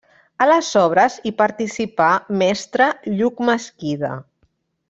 A les obres hi participà mestre Lluc Mesquida.